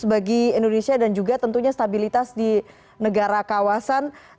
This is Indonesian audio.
bagi indonesia dan juga tentunya stabilitas di negara kawasan